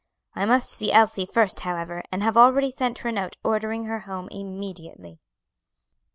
I must see Elsie first however, and have already sent her a note ordering her home immediately."